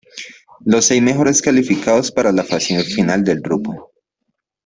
Los seis mejores calificados para la fase final del grupo.